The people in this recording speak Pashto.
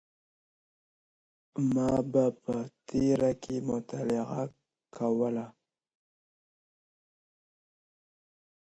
ما به په تیاره کي مطالعه کوله.